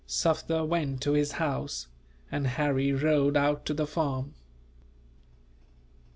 Sufder went to his house, and Harry rode out to the farm.